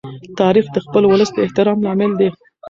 تاریخ د خپل ولس د احترام لامل دی.